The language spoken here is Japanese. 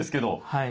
はい。